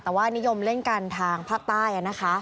แต่ว่านิยมเล่นกันทางภาคใต้นะคะ